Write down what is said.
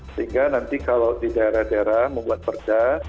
sehingga nanti kalau di daerah daerah membuat perda